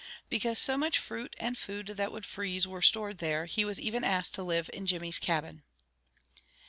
Because so much fruit and food that would freeze were stored there, he was even asked to live in Jimmy's cabin.